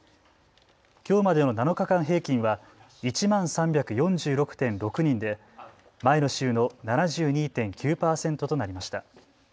きょうまでの７日間平均は１万３４６．６人で前の週の７２．９％となりました。